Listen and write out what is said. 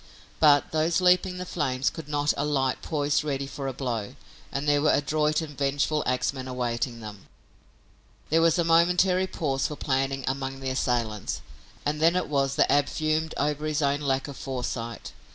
But those leaping the flames could not alight poised ready for a blow, and there were adroit and vengeful axmen awaiting them. There was a momentary pause for planning among the assailants, and then it was that Ab fumed over his own lack of foresight.